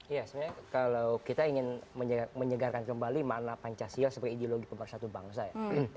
ya sebenarnya kalau kita ingin menyegarkan kembali makna pancasila sebagai ideologi pemersatu bangsa ya